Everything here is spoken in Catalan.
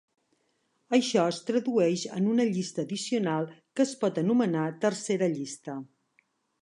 Això es tradueix en una llista addicional que es pot anomenar tercera llista.